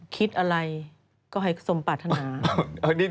คิดอะไรก็ให้สมปรารถนา